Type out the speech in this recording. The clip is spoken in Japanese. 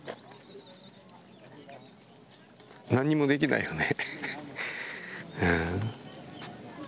何もできないよね。